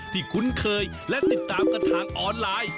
คุ้นเคยและติดตามกันทางออนไลน์